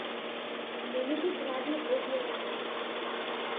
Не ми ги прави овие работи.